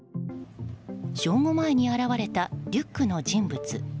正午前に現れたリュックの人物。